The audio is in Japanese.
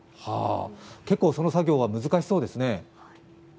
結構、その作業は難しそうですね。